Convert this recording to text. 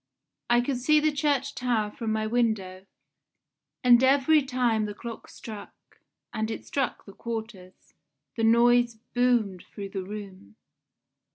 I could see the church tower from my window, and every time the clock struck and it struck the quarters the noise boomed through the room.